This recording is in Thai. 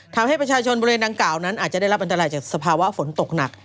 ทำให้ประชาชนบริเวณดังกล่าวนั้นอาจจะได้รับอันตรายจากสภาวะฝนตกหนัก